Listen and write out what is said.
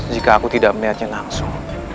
jika aku tidak melihatnya langsung